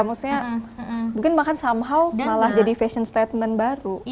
maksudnya mungkin bahkan somehow malah jadi fashion statement baru